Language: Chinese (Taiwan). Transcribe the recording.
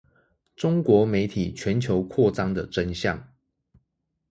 中國媒體全球擴張的真相